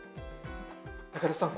高田さん